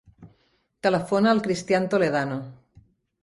Telefona al Cristián Toledano.